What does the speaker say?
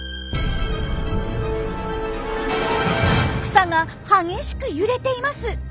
草が激しく揺れています！